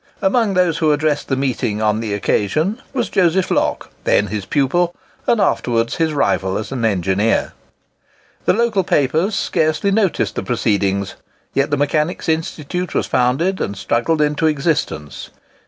Among those who addressed the meeting on the occasion was Joseph Locke, then his pupil, and afterwards his rival as an engineer. The local papers scarcely noticed the proceedings; yet the Mechanics' Institute was founded, and struggled into existence.